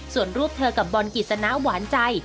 ส่วนรูปเธอกับบอลกิจสนะหวานใจ